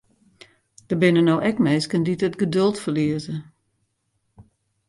Der binne no ek minsken dy't it geduld ferlieze.